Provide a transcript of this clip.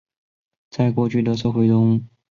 在过去的社会中。